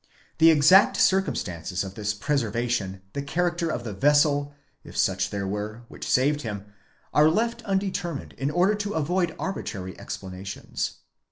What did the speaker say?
'The exact circumstances of this pre servation, the character of the vessel, if such there were, which saved him, are left undetermined in order to avoid arbitrary explanations.